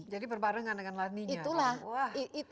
jadi berbarengan dengan laninya